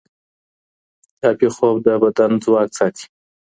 کافي خوب د بدن ځواک ساتي.